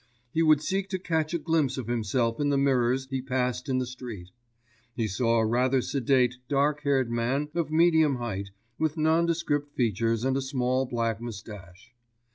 He would seek to catch a glimpse of himself in the mirrors he passed in the street. He saw a rather sedate, dark haired man of medium height, with nondescript features and a small black moustache.